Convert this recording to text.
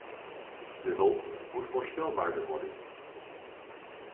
De hulp moet voorspelbaarder worden.